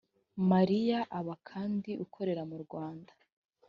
mariya aba kandi ukorera mu rwanda